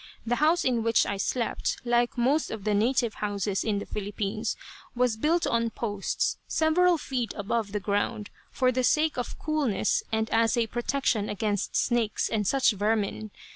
The house in which I slept, like most of the native houses in the Philippines, was built on posts, several feet above the ground, for the sake of coolness and as a protection against snakes and such vermin.